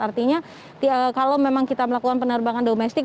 artinya kalau memang kita melakukan penerbangan domestik